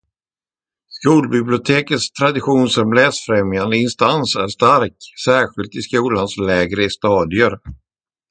Skolbibliotekets tradition som läsfrämjande instans är stark, särskilt i skolans lägre stadier.